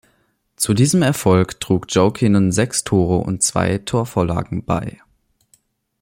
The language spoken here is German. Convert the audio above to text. Zu diesem Erfolg trug Jokinen sechs Tore und zwei Torvorlagen bei.